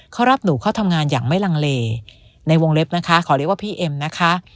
เขารับหนูเข้าทำงานอย่างไม่ลังเลในวงเล็บนะคะขอเรียกว่าพี่เอ็มนะคะ